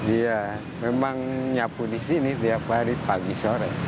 iya memang nyapu di sini tiap hari pagi sore